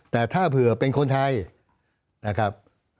แต่ถ้าเผื่อเป็นคนไทยนะครับ